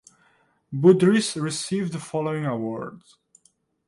Budrys received the following awards.